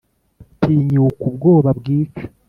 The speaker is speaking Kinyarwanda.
tinyuka ubwoba bwica!